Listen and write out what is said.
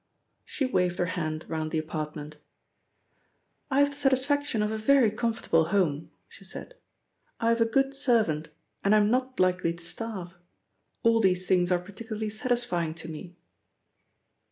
She waved her hand round the apartment. "I have the satisfaction of a very comfortable home," she said. "I have a good servant, and I am not likely to starve. All these things are particularly satisfying to me.